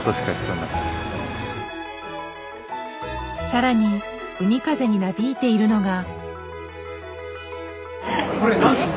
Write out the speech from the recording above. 更に海風になびいているのが。